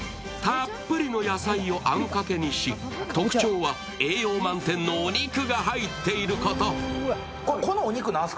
たっぷりの野菜をあんかけにし、特徴は栄養満点のお肉が入っていること。